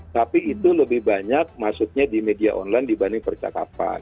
tapi itu lebih banyak masuknya di media online dibanding percakapan